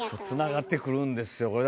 つながってくるんですよ。